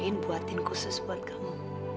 aku belain buatin khusus buat kamu